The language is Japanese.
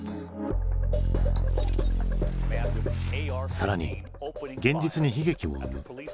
更に現実に悲劇も生む。